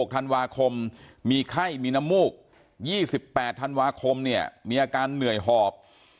ธันวาคมมีไข้มีน้ำมูก๒๘ธันวาคมเนี่ยมีอาการเหนื่อยหอบ